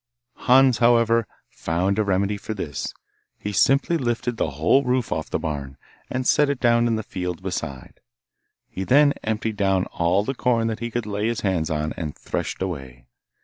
Hans, however, found a remedy for this he simply lifted the whole roof off the barn, and set it down in the field beside. He then emptied down all the corn that he could lay his hands on and threshed away.